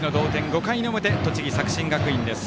５回の表、栃木・作新学院。